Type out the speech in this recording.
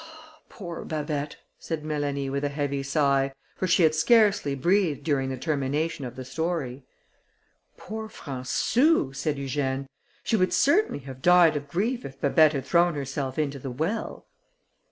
"Poor Babet!" said Mélanie, with a heavy sigh, for she had scarcely breathed during the termination of the story. "Poor Françou!" said Eugène, "she would certainly have died of grief if Babet had thrown herself into the well."